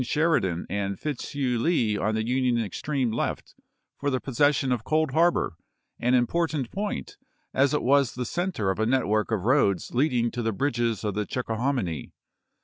Sheridan and Fitzhugh Lee on the Union extreme left for the possession of Cold Harbor, an important point, as it was the center of a network of roads leading to the bridges of the Chickahominy.